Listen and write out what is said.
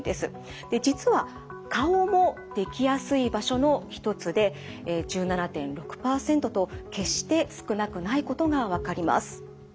で実は顔もできやすい場所の一つで１７．６％と決して少なくないことが分かります。